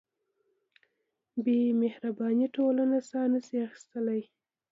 بېمهربانۍ ټولنه ساه نهشي اخیستلی.